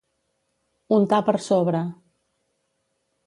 Untar per sobre.